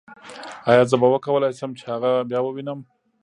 ایا زه به وکولای شم چې هغه بیا ووینم